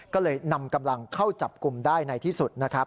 ก็เลยนำกำลังเข้าจับกลุ่มได้ในที่สุดนะครับ